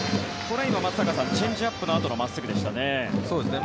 松坂さんチェンジアップのあとの真っすぐでしたね。